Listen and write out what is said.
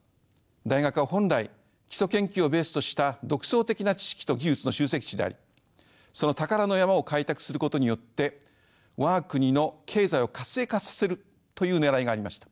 大学は本来基礎研究をベースとした独創的な知識と技術の集積地でありその宝の山を開拓することによって我が国の経済を活性化させるというねらいがありました。